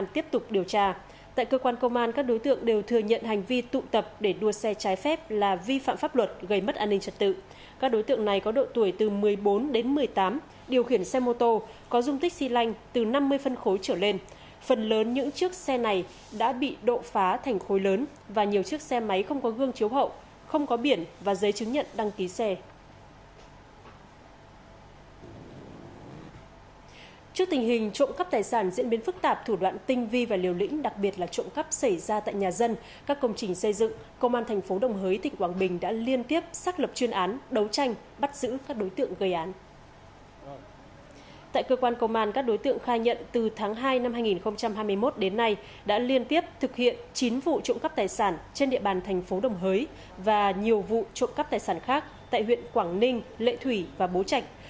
tại cơ quan công an các đối tượng khai nhận từ tháng hai năm hai nghìn hai mươi một đến nay đã liên tiếp thực hiện chín vụ trộm cắp tài sản trên địa bàn thành phố đồng hới và nhiều vụ trộm cắp tài sản khác tại huyện quảng ninh lệ thủy và bố trạch